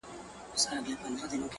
د ژوند دوهم جنم دې حد ته رسولی يمه ـ